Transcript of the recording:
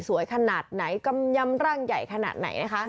ขนาดไหนกำยำร่างใหญ่ขนาดไหนนะคะ